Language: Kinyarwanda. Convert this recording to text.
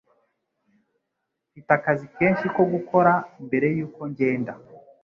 Mfite akazi kenshi ko gukora mbere yuko ngenda.